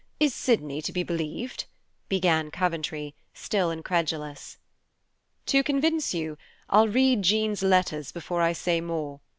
Is Sydney to be believed?" began Coventry, still incredulous. "To convince you, I'll read Jean's letters before I say more.